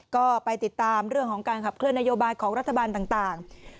ก็ไปติดตามเรื่องของการขับเคลื่อนนโยบายของรัฐบาลต่าง